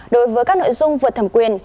đối với các nội dung vượt thẩm quyền